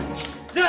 mas tak usah mas